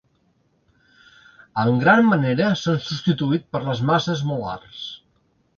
En gran manera s'han substituït per les masses molars.